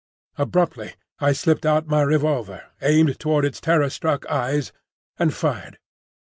Abruptly I slipped out my revolver, aimed between its terror struck eyes, and fired.